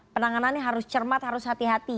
penanganannya harus cermat harus hati hati